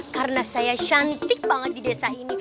karena saya cantik banget di desa ini